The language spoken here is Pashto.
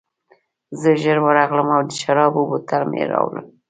زه ژر ورغلم او د شرابو بوتل مې راوړ